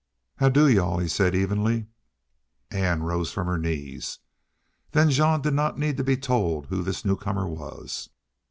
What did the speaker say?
"How do, y'u all!" he said, evenly. Ann rose from her knees. Then Jean did not need to be told who this newcomer was.